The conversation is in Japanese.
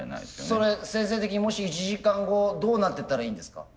それ先生的にもし１時間後どうなってたらいいんですか？